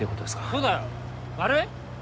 そうだよ悪い？